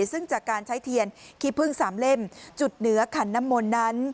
ซึ่งจากการใช้เทียนขี้พึ่งสามเล่มจุดเหนือขันน้ำมนต์นั้น